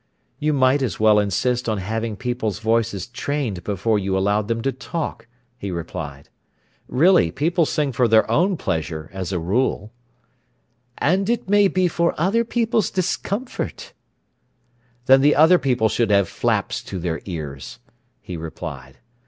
"You might as well insist on having people's voices trained before you allowed them to talk," he replied. "Really, people sing for their own pleasure, as a rule." "And it may be for other people's discomfort." "Then the other people should have flaps to their ears," he replied.